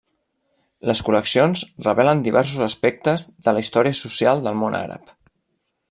Les col·leccions revelen diversos aspectes de la història social del món àrab.